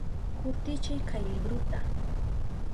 Kutichiy kay libruta.